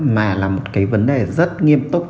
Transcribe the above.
mà là một cái vấn đề rất nghiêm túc